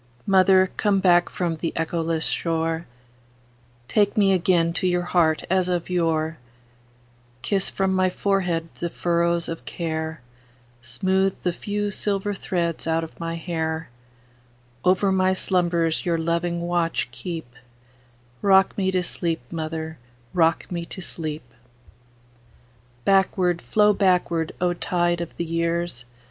Mother, come back from the echoless shore, Take me again to your heart as of yore; Kiss from my forehead the furrows of care, Smooth the few silver threads out of my hair; Over my slumbers your loving watch keep;—Rock me to sleep, mother,—rock me to sleep! Backward, flow backward, O tide of the years!